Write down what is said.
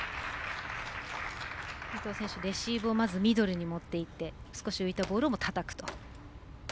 レシーブをまずミドルに持っていって少し浮いたボールをたたくと。